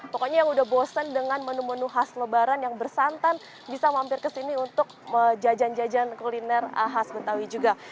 pokoknya yang udah bosan dengan menu menu khas lebaran yang bersantan bisa mampir ke sini untuk jajan jajan kuliner khas betawi juga